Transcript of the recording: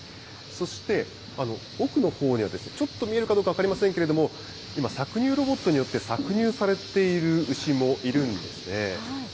そして、奥のほうにはちょっと見えるかどうか分かりませんけれども、今、搾乳ロボットによって搾乳されている牛もいるんですね。